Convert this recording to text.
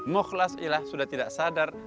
mukhlas ilah sudah tidak sadar